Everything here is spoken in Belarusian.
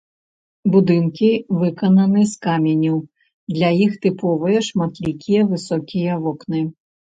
Будынкі выкананы з каменю, для іх тыповыя шматлікія высокія вокны.